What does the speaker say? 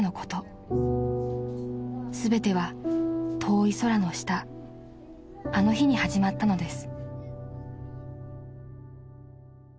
［全ては遠い空の下あの日に始まったのです］